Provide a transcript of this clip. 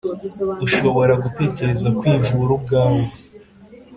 ushobora gutekereza kwivura ubwawe